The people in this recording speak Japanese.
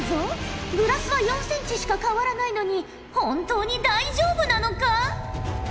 グラスは４センチしか変わらないのに本当に大丈夫なのか？